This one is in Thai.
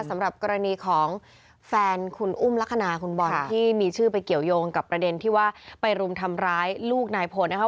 สำหรับกรณีของแฟนคุณอุ้มลักษณะคุณบอลที่มีชื่อไปเกี่ยวยงกับประเด็นที่ว่าไปรุมทำร้ายลูกนายพลนะครับ